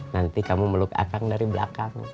nanti kamu meluk akang dari belakang